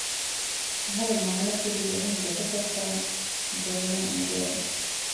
އަހަރެން މާނަ ކުރީ އެހެން ގޮތަކަށް ކަން ޖޮން އަށް އިނގޭނެ